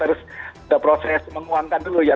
harus ada proses menguangkan dulu ya